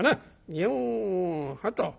にょはと。